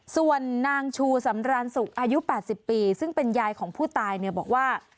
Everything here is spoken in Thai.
ส่วนนางชูสำรานสุกอายุ๘๐ปีซึ่งเป็นยายของผู้ตายเนี่ยบอกว่า